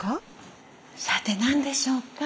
さて何でしょうか？